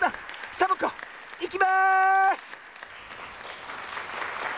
サボ子いきます！